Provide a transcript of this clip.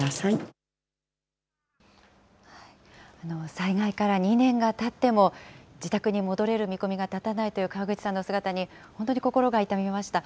災害から２年がたっても、自宅に戻れる見込みが立たないという川口さんの姿に本当に心が痛みました。